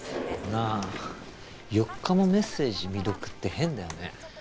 なあ４日もメッセージ未読って変だよね？